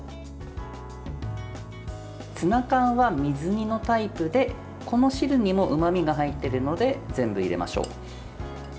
ツナ缶は水煮のタイプでこの汁にもうまみが入っているので全部入れましょう。